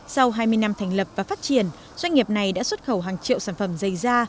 sau hai mươi năm thành lập và phát triển doanh nghiệp này đã xuất khẩu hàng triệu sản phẩm dây da